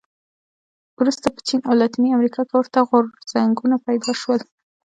وروسته په چین او لاتینې امریکا کې ورته غورځنګونه پیدا شول.